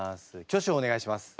挙手をお願いします。